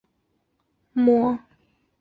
橘红色针状晶体或赭黄色粉末。